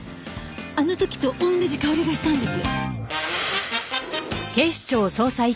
あの時と同じ香りがしたんです。